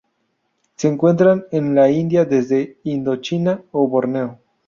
Se encuentran en la India, desde Indo-China a Borneo.